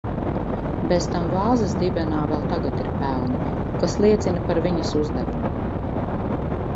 Bez tam vāzes dibenā vēl tagad ir pelni, kas liecina par viņas uzdevumu.